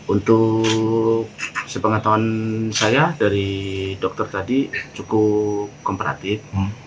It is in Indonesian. untuk sepengat tahun saya dari dokter tadi cukup kooperatif